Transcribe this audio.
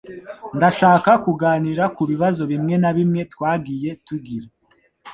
Ndashaka kuganira ku bibazo bimwe na bimwe twagiye tugira